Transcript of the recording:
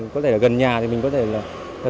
có thể là gần nhà thì mình có thể là